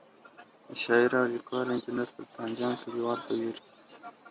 • د شاعر او لیکوال انجنیر سلطان جان کلیوال په ویر کي ,